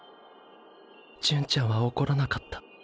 純ちゃんは怒らなかった。